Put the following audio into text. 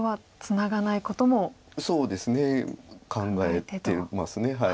そうですね考えてます。